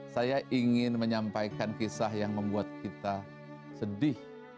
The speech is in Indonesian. saya ingin menyampaikan kisah yang membuat kita sedih